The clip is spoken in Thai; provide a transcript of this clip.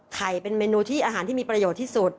เป็นเมนูที่อาหารที่มีประโยชน์ที่สุด